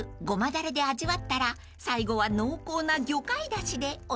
だれで味わったら最後は濃厚な魚介だしでお茶漬けに］